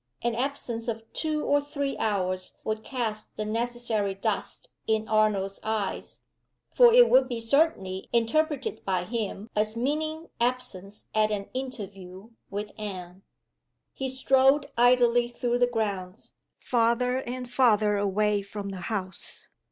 An absence of two or three hours would cast the necessary dust in Arnold's eyes; for it would be certainly interpreted by him as meaning absence at an interview with Anne. He strolled idly through the grounds, farther and farther away from the house.